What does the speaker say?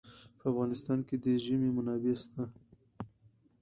په افغانستان کې د ژمی منابع شته.